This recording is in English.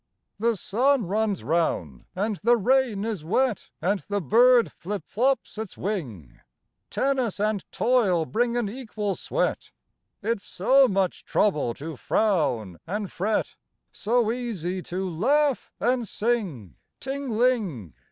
The sun runs round and the rain is wet And the bird flip flops its wing; Tennis and toil bring an equal sweat; It's so much trouble to frown and fret, So easy to laugh and sing, Ting ling!